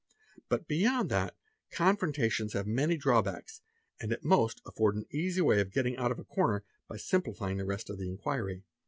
But, beyond that. "confrontations" have many drawbacks and at most afford an easy way of getting out of a corner by simplifying the rest of the inquiry.